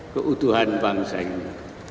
keutuhan bangsa ini